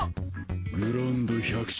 グラウンド１００周。